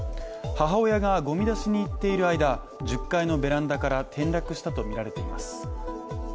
母親がごみ出しに行っている間、１０階のベランダから転落したとみられています。